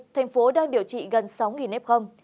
thành phố đang điều trị gần sáu nếp không